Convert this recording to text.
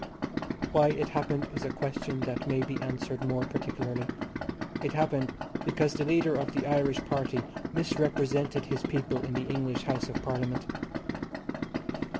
Why it happened is a question that may be answered more particularly. It happened because the leader of the Irish Party misrepresented his people in the English House of Parliament.